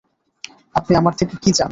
আপনি আমার থেকে কী চান?